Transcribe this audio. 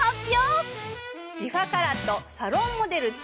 リファカラットサロンモデルⅡ